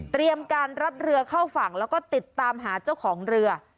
การรับเรือเข้าฝั่งแล้วก็ติดตามหาเจ้าของเรือ